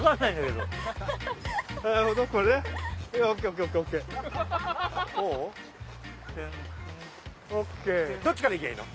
どっちからいきゃあいいの？